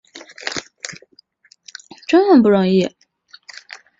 游说议员支持建议的工作是以正常及和平的方法进行。